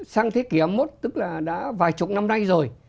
sang thế kỷ một tức là đã vài chục năm nay rồi